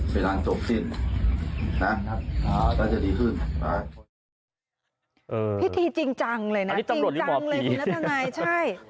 นี่ตำรวจหลีกบอบกีธุ์นัทนายใช่